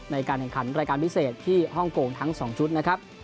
ในการแข่งขันรายการพิเศษที่ฮ่องกงทั้ง๒ชุดนะครับ